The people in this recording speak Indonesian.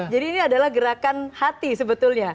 ini adalah gerakan hati sebetulnya